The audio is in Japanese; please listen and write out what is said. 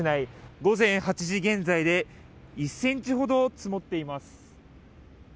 午前８時現在で１ｃｍほど積もっています。